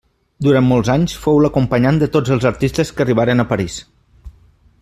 Durant molts anys fou l'acompanyant de tots els artistes que arribaren a París.